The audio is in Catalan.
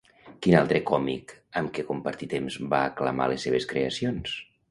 Quin altre còmic amb què compartí temps va aclamar les seves creacions?